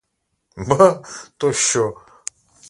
Ба, то що?